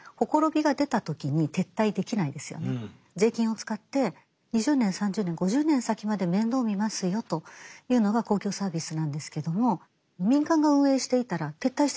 税金を使って２０年３０年５０年先まで面倒を見ますよというのが公共サービスなんですけども民間が運営していたら撤退してしまいます。